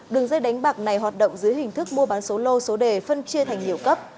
đường dây đánh bạc này hoạt động dưới hình thức mua bán số lô số đề phân chia thành nhiều cấp